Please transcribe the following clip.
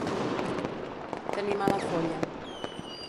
Tenir mala folla.